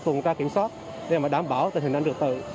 cùng các kiểm soát để đảm bảo tình hình an ninh trật tự